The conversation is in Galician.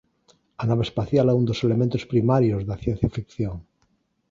A nave espacial é un dos elementos primarios da ciencia ficción.